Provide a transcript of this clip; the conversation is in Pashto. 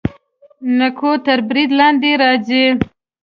نکو تر برید لاندې راځي.